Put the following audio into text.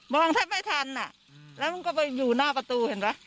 มองถ้าไม่ทันอ่ะแล้วก็หลบไปอยู่หน้าประตูเห็นปะ